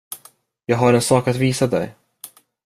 Jag har en sak att visa dig.